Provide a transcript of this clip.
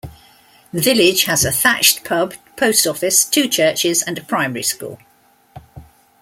The village has a thatched pub, post office, two churches and a primary school.